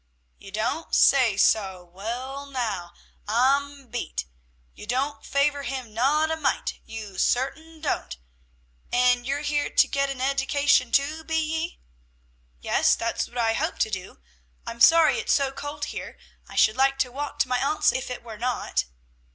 "You don't say so, wull, naow, I'm beat. You don't favor him not a mite; you sarten don't. An' you're here to get an eddication too, be ye?" "Yes; that's what I hope to do. I'm sorry it's so cold here; I should like to walk to my aunt's if it were not."